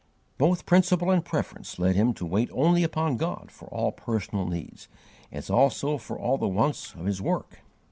Both principle and preference led him to wait only upon God for all personal needs, as also for all the wants of his work.